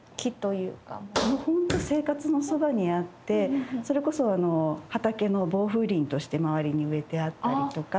もともと生活のそばにあってそれこそ畑の防風林として周りに植えてあったりとか。